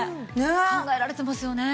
考えられてますよね。